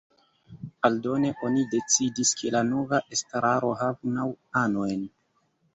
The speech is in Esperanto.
Aldone oni decidis, ke la nova estraro havu naŭ anojn.